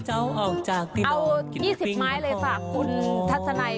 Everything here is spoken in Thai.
เอา๒๐ไม้เลยฝากคุณทัศไน